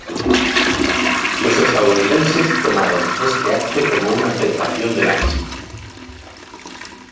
Los estadounidenses tomaron este acto como una aceptación de la misma.